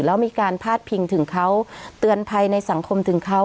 แล้วมีการพาดพิงถึงเขาเตือนภัยในสังคมถึงเขา